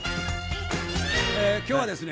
今日はですね